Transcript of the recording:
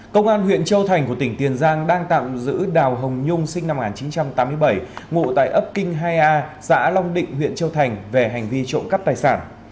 công an huyện châu thành của tỉnh tiền giang đang tạm giữ đào hồng nhung sinh năm một nghìn chín trăm tám mươi bảy ngụ tại ấp kinh hai a xã long định huyện châu thành về hành vi trộm cắp tài sản